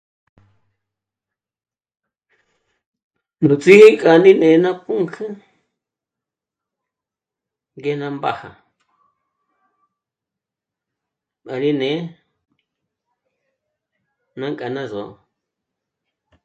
Nú ts'í'i kjá ní né'e ná pǔnk'ü ngé ná mbàja, m'a rí né'e nânk'a ná só'o